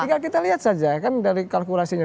tinggal kita lihat saja kan dari kalkulasinya